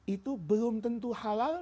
itu belum tentu halal